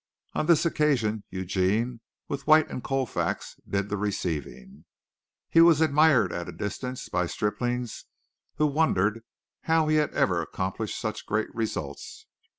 On this occasion, Eugene, with White and Colfax did the receiving. He was admired at a distance by striplings who wondered how he had ever accomplished such great results.